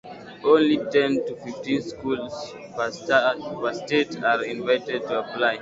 Only ten to fifteen schools per state are invited to apply.